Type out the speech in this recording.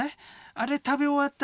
あれ食べ終わった